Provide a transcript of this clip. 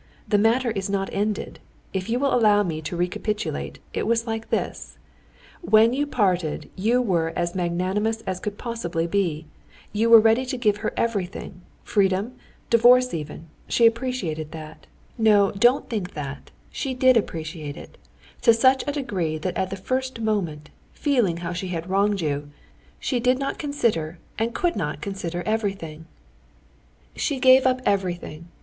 "The matter is not ended. If you will allow me to recapitulate, it was like this: when you parted, you were as magnanimous as could possibly be; you were ready to give her everything—freedom, divorce even. She appreciated that. No, don't think that. She did appreciate it—to such a degree that at the first moment, feeling how she had wronged you, she did not consider and could not consider everything. She gave up everything.